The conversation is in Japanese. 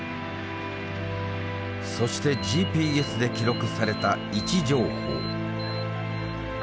そしてＧＰＳで記録された位置情報。